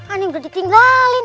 ini udah ditinggalin